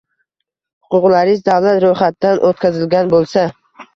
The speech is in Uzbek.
Huquqlariz davlat roʼyxatidan oʼtkazilgan boʼlsa